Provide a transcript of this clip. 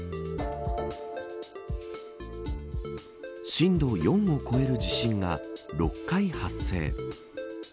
震度４を超える地震が６回発生。